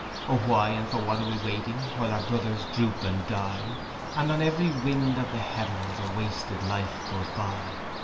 'Oh, why and for what are we waiting, while our brothers droop and die? And on every wind of the heavens, a wasted life goes by.